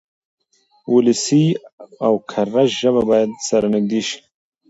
ولسي او کره ژبه بايد سره نږدې شي.